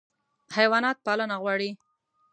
حیوانات پالنه غواړي.